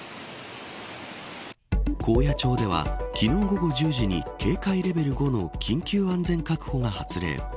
高野町では昨日午後１０時に警戒レベル５の緊急安全確保が発令。